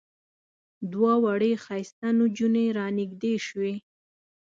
دوه وړې ښایسته نجونې را نږدې شوې.